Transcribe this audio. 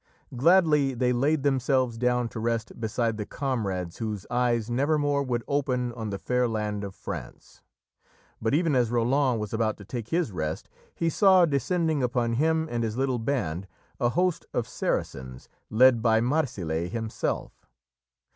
Gladly they laid themselves down to rest beside the comrades whose eyes never more would open on the fair land of France, but even as Roland was about to take his rest he saw descending upon him and his little band a host of Saracens, led by Marsile himself.